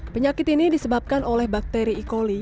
penyakit ini disebabkan oleh bakteri e coli